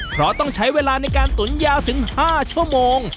เพราะต้องใช้เวลาในการตุ๋นยาวถึง๕ชั่วโมง